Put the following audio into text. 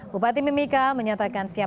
bupati mimika menyatakan siap